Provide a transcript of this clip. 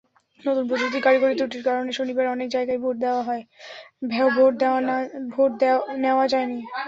নতুন প্রযুক্তির কারিগরি ত্রুটির কারণে শনিবার অনেক জায়গায় ভোট নেওয়া যায়নি।